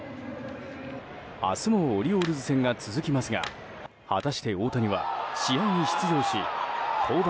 明日もオリオールズ戦が続きますが果たして大谷は試合に出場し登板